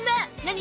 何？